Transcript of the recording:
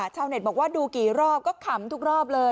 ชาวเน็ตบอกว่าดูกี่รอบก็ขำทุกรอบเลย